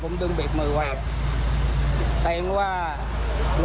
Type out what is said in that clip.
ก็คือรถเก็บขยะปกติอยู่แล้วใช้ไหม